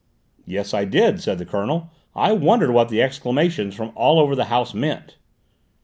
"Yes, I did," said the Colonel; "I wondered what the exclamations from all over the house meant."